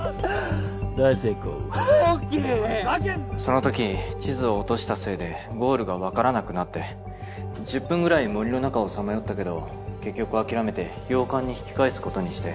そのとき地図を落としたせいでゴールが分からなくなって１０分ぐらい森の中をさまよったけど結局諦めて洋館に引き返すことにして。